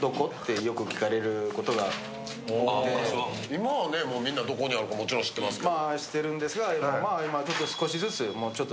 今はね、みんなどこにあるか知ってますけど。